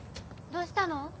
・どうしたの？